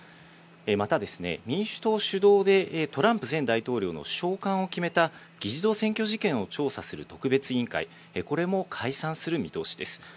また、民主党主導でトランプ前大統領のしょうかんを決めた議事堂占拠事件を捜査する特別委員会、これも解散する見通しです。